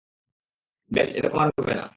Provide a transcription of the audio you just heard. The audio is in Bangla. বেশ, এরকম আর মনে হবে না!